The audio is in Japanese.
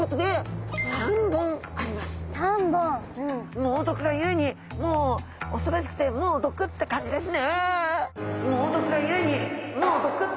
猛毒がゆえにもう恐ろしくてもうどくって感じですね。